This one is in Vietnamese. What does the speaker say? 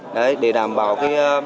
đấy để đảm bảo cái